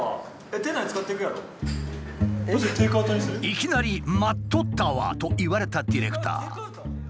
いきなり「待っとったわ！」と言われたディレクター。